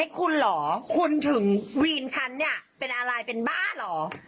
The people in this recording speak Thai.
คุณเหรอคุณถึงวีนฉันเนี่ยเป็นอะไรเป็นบ้าเหรอ